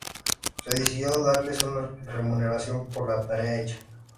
Se decidió darles una remuneración por la tarea hecha.